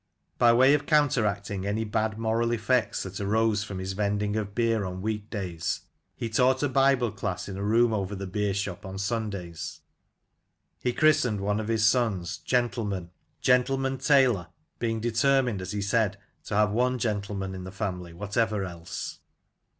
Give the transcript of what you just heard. " By way of counteracting any bad moral effects that arose from his vending of beer on week days, he taught a Bible class in a room over the beer shop on Sundays. He christened one of his sons " Gentleman," Gentleman Taylor, being determined, as he said, to have one gentleman in the family, whatever else.